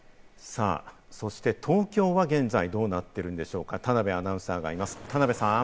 そして東京は現在どうなっているでしょうか、田辺アナウンサーがいます、田辺さん！